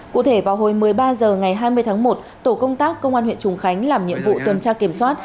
cụ thể vào hồi một mươi ba h ngày hai mươi tháng một tổ công tác công an huyện trùng khánh làm nhiệm vụ tuần tra kiểm soát